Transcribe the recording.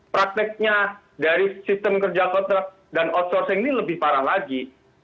prakteknya dari sistem kerja kontrak dan outsourcing ini lebih parah lagi